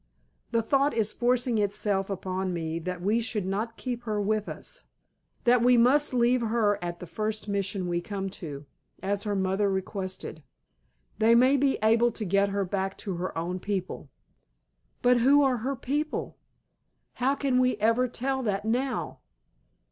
The thought is forcing itself upon me that we should not keep her with us, that we must leave her at the first Mission we come to, as her mother requested. They may be able to get her back to her own people." "But who are her people? How can we ever tell that now?